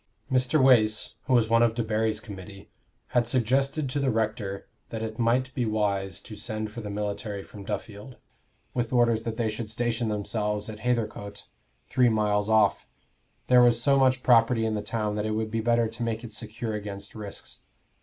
Mr. Wace, who was one of Debarry's committee, had suggested to the rector that it might be wise to send for the military from Duffield, with orders that they should station themselves at Hathercote, three miles off: there was so much property in the town that it would be better to make it secure against risks.